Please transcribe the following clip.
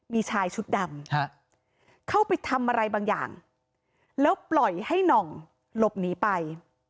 มีชายชุดดำเข้าไปทำอะไรบางอย่างแล้วปล่อยให้หน่องหลบหนีไป